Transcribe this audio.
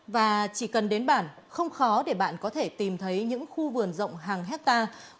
và chỉ cần đến bản không khó để bạn có thể tìm thấy những khu vườn rộng hàng hectare